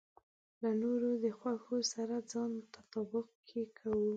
له نورو د خوښو سره ځان تطابق کې کوو.